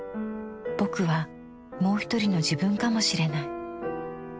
「『ぼく』はもうひとりの自分かもしれない。